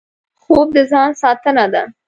خوب د ځان ساتنه ده